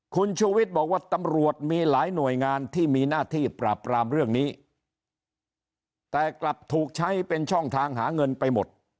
คุณชูวิทย์บอกว่าตำรวจมีหลายหน่วยงานที่มีหน้าที่ปราบปรามเรื่องนี้แต่กลับถูกใช้เป็นช่องทางหาเงินไปหมด